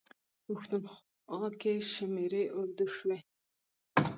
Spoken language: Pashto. پښتونخوا کې شمېرې اردو شوي.